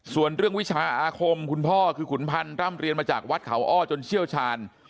ส่วนเรื่องวิชาอาคมคุณพ่อคือขุนพันธ์ร่ำเรียนมาจากวัดเขาอ้อจนเชี่ยวชาญ